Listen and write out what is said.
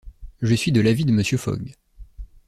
Je suis de l’avis de Mr. Fogg.